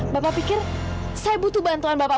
bapak pikir saya butuh bantuan bapak